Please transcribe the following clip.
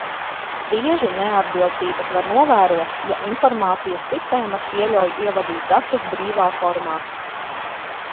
Bieži neatbilstības var novērot, ja informācijas sistēmas pieļauj ievadīt datus brīvā formā.